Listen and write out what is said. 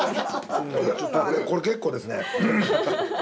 これ結構ですね。